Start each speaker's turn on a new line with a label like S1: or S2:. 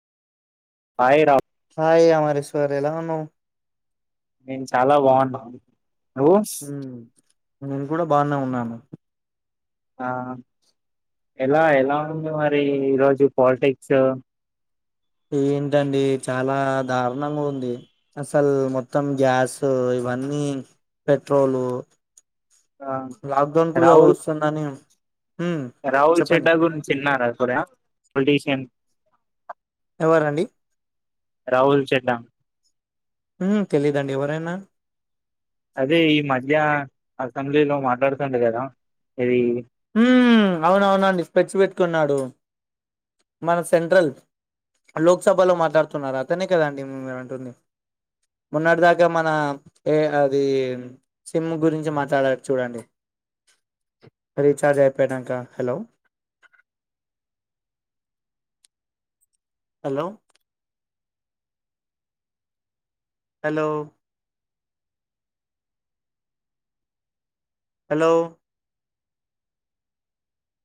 S1: Hi రా.
S2: Hi Amareshwar ఎలా ఉన్నావు.
S1: నేను చాలా బాగున్నాను.
S2: ఉమ్ నేను కూడా బానే ఉన్నాను.
S1: ఆ ఎలా ఎలా ఉంది మరి ఈరోజు పాలిటిక్స్.
S2: ఏంటండి చాలా దారుణంగా ఉంది అసలు మొత్తం గ్యాస్ ఇవన్నీ పెట్రోల్.
S1: ఆ రాహుల్
S2: వస్తుందని ఉమ్
S1: రాహుల్
S2: చెప్పండి
S1: చెడ్డా గురించి విన్నారా సూర్య. పొలిటిషిన్.
S2: ఎవరండి.
S1: రాహుల్ చెడ్డా.
S2: హు తెలీదండి ఎవరాయానా.
S1: అదే ఈ మధ్య అసెంబ్లీలో మాట్లాడుతుడు కదా ఇది.
S2: ఉమ్ అవునవునండి స్పెచ్ పెట్టుకున్నాడు మన సెంట్రల్ రీచార్జ్ అయిపోయినాకా హలో. హలో. హలో. హలో.